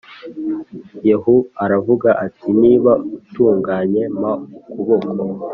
Yehu aravuga ati niba utunganye mpa ukuboko